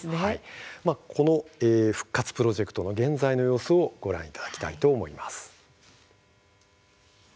この復活プロジェクトの現在の様子をご覧いただきたいと思います。